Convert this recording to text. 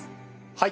はい。